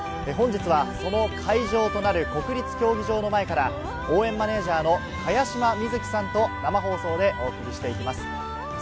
本日はその会場となる国立競技場の前から応援マネージャーの茅島みずきさんと生放送でお送りしていきます。